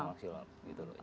kurang maksimal gitu loh